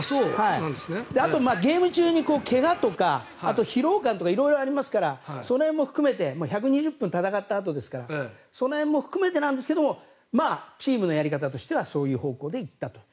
あと、ゲーム中に怪我とかあと、疲労感とか色々ありますからその辺も含めて１２０分戦ったあとですからその辺も含めてなんですけどチームのやり方としてはそういう方向で行ったという。